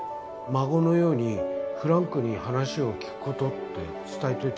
孫のようにフランクに話を聞くことって伝えといたけど。